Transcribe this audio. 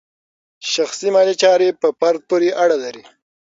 شخصي مالي چارې په فرد پورې اړه لري.